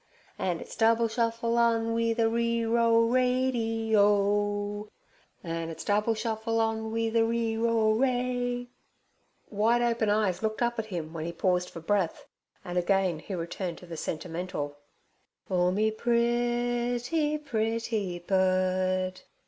An' its double shuffle on we the re ro rady oh. An' its double shuffle on we the re ro ray—"' Wide open eyes looked up at him when he paused for breath, and again he returned to the sentimental: '"Oh, me preetty, pretty bird.